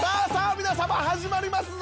皆様、始まりますぞ！